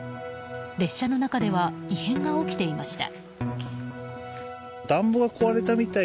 列車の中では異変が起きていました。